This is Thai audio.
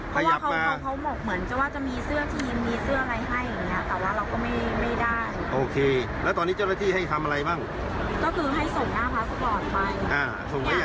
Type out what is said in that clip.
เพราะว่าเขาเขาบอกเหมือนจะว่าจะมีเสื้อทีมมีเสื้ออะไรให้อย่างเงี้ย